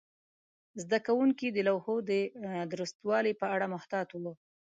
زده کوونکي د لوحو د درستوالي په اړه محتاط وو.